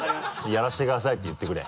「やらせてください」て言ってくれ。